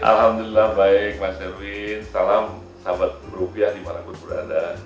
alhamdulillah baik mas erwin salam sobat rupiah di malangut berada